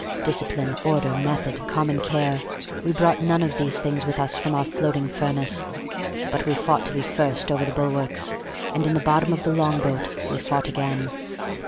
Discipline, order, method, common care, we brought none of these things with us from our floating furnace; but we fought to be first over the bulwarks, and in the bottom of the long boat we fought again.